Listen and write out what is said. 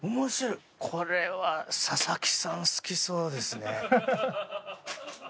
これは佐々木さん好きそうですね。